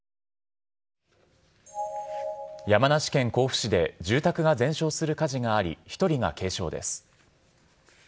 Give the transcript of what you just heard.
山梨県甲府市で住宅が全焼する火事があり１人が軽傷です。